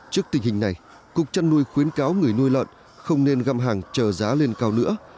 trước tình hình này cục trăn nuôi khuyến cáo người nuôi lợn không nên găm hàng chờ giá lên cao nữa